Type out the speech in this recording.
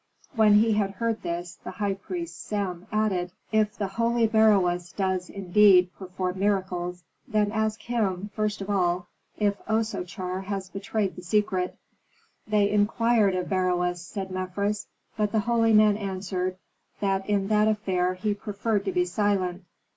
When he heard this, the high priest Sem added, "If the holy Beroes does, indeed, perform miracles, then ask him, first of all, if Osochar has betrayed the secret." "They inquired of Beroes," said Mefres, "but the holy man answered that in that affair he preferred to be silent.